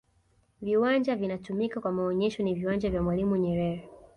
viwanja vinatumika kwa maonesho ni viwanja vya mwalimu nyerere